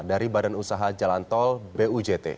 dari badan usaha jalan tol bujt